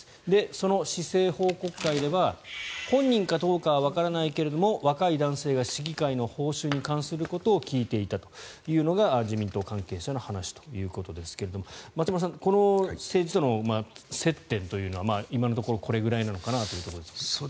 その市政報告会では本人かどうかはわからないけども若い男性が市議会の報酬に関することを聞いていたというのが自民党関係者の話ですが松丸さん政治との接点というのは今のところ、これくらいなのかなというところですが。